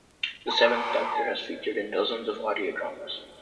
The Seventh Doctor has featured in dozens of audio dramas.